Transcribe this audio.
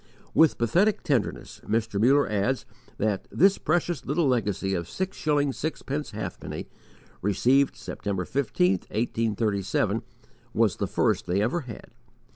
With pathetic tenderness Mr. Muller adds that this precious little legacy of six shillings sixpence halfpenny, received September 15, 1837, was the first they ever had.